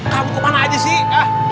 kamu ke mana aja sih